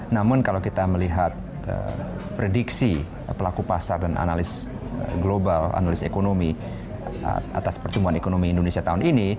namun kalau kita melihat prediksi pelaku pasar dan analis global analis ekonomi atas pertumbuhan ekonomi indonesia tahun ini